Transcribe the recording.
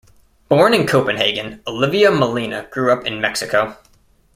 Born in Copenhagen, Olivia Molina grew up in Mexico.